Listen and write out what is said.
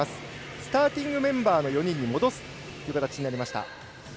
スターティングメンバーの４人に戻すという形になりました。